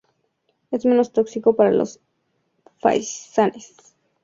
Es menos tóxico para los faisanes.